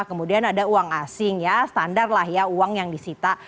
kemudian ada uang asing ya standar lah ya uang yang disita